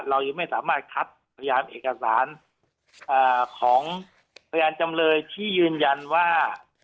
เรายังไม่สามารถคัดพยานเอกสารของพยานจำเลยที่ยืนยันว่า